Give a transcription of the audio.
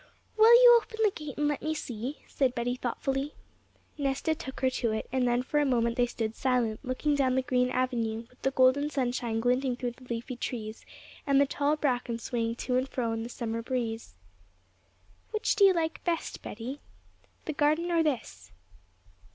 'Will you open the gate and let me see?' said Betty thoughtfully. Nesta took her to it, and then for a moment they stood silent, looking down the green avenue, with the golden sunshine glinting through the leafy trees, and the tall bracken swaying to and fro in the summer breeze. 'Which do you like best, Betty the garden or this?'